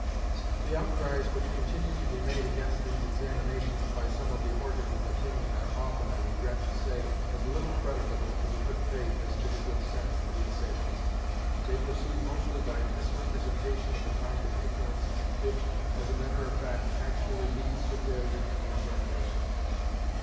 The outcries which continue to be made against these examinations by some of the organs of opinion are often, I regret to say, as little creditable to the good faith as to the good sense of the assailants. They proceed partly by misrepresentation of the kind of ignorance which, as a matter of fact, actually leads to failure in the examinations.